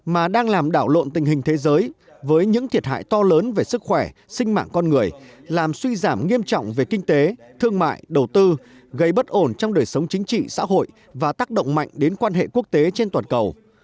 nhưng cũng là một cuộc khủng hoảng về tình hình thế giới với những thiệt hại to lớn về sức khỏe sinh mạng con người làm suy giảm nghiêm trọng về kinh tế thương mại đầu tư gây bất ổn trong đời sống chính trị xã hội và tác động mạnh đến quan hệ quốc tế trên toàn cầu